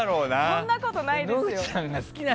そんなことないですよ。